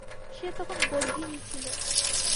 সে তখন গর্ভিণী ছিল।